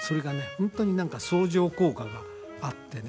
本当に何か相乗効果があってね